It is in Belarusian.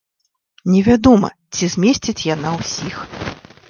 Невядома, ці змесціць яна ўсіх.